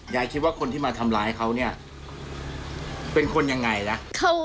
ยายคิดว่าคนที่มาทำร้ายเขาเนี่ยเป็นคนยังไงนะ